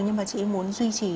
nhưng mà chị muốn duy trì